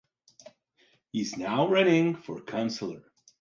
He is now running for councilor.